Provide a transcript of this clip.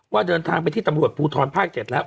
เดินทางไปที่ตำรวจภูทรภาค๗แล้ว